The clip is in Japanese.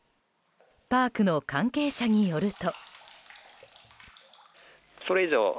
パークの関係者によると。